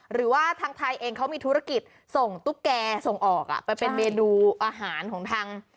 หรือว่าทางไทยเองเขามีธุรกิจส่งตุ๊กแกส่งออกไปเป็นเมนูอาหารของทาง